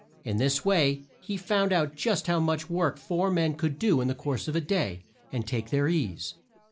In this way he found out just how much work four men could do in the course of a day and take their ease.